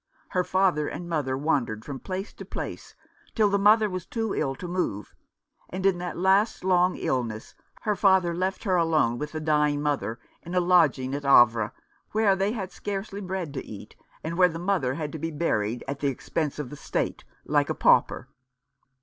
Her father and mother wandered from place to place till the mother was too ill to move, and in that long last illness her father left her 262 Mr. Fattnce continues. alone with the dying mother, in a lodging at Havre, where they had scarcely bread to eat, and where the mother had to be buried at the expense of the State, like a pauper.